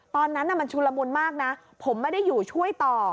ตอนนั้นมันชุลมุนมากนะผมไม่ได้อยู่ช่วยต่อ